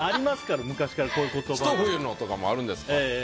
ひと冬のとかもあるんですか？